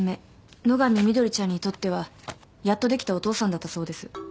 野上碧ちゃんにとってはやっとできたお父さんだったそうです。